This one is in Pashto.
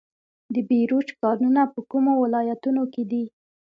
د بیروج کانونه په کومو ولایتونو کې دي؟